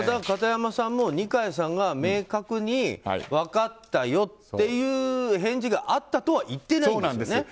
片山さんも二階さんが明確に分かったよという返事があったとはそうなんです。